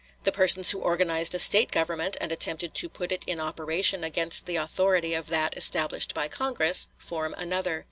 The persons who organized a State government, and attempted to put it in operation against the authority of that established by Congress, form another.